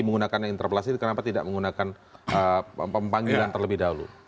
menggunakan interpelasi itu kenapa tidak menggunakan panggilan terlebih dahulu